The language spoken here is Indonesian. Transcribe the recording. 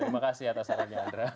terima kasih atas sarannya adra